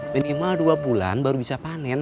minimal dua bulan baru bisa panen